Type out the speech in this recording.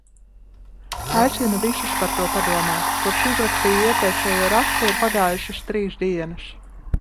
Aicinu visus par to padomāt. Kopš uzrakstīju iepriekšējo rakstu ir pagājušas trīs dienas.